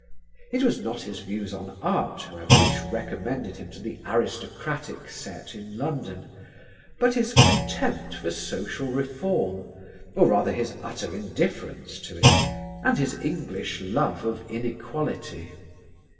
It was not his views on art, however, which recommended him to the aristocratic set in London; but his contempt for social reform, or rather his utter indifference to it, and his English love of inequality.